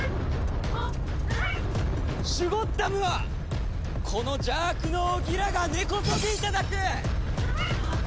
シュゴッダムはこの邪悪の王ギラが根こそぎいただく！